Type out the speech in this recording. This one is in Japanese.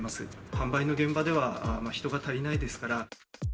販売の現場では人が足りないですから。